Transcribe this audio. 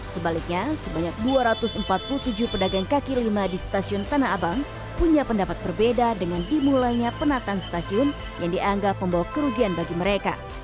sebaliknya sebanyak dua ratus empat puluh tujuh pedagang kaki lima di stasiun tanah abang punya pendapat berbeda dengan dimulainya penataan stasiun yang dianggap membawa kerugian bagi mereka